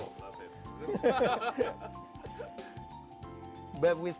alur dalam jejakat rock band anda